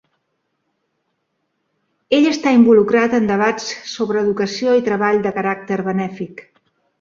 Ell està involucrat en debats sobre educació i treball de caràcter benèfic.